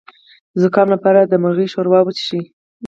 د زکام لپاره د مرغۍ ښوروا وڅښئ